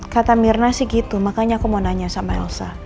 kata mirna sih gitu makanya aku mau nanya sama elsa